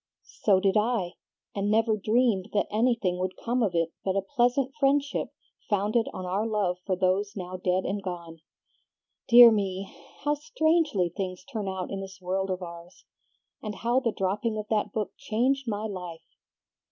So did I, and never dreamed that anything would come of it but a pleasant friendship founded on our love for those now dead and gone. Dear me! how strangely things turn out in this world of ours, and how the dropping of that book changed my life!